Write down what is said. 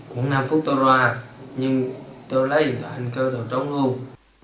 mượn năm phút tôi ra nhưng tôi lấy điện thoại anh cư tôi trống rỗng